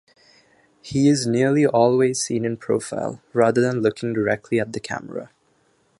He is nearly always seen in profile, rather than looking directly at the camera.